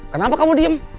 kenapa kamu diem